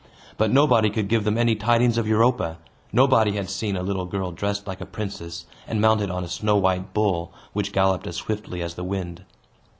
But nobody could give them any tidings of Europa; nobody had seen a little girl dressed like a princess, and mounted on a snow white bull, which galloped as swiftly as the wind.